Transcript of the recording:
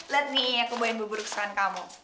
let me aku mau yang berburuk sama kamu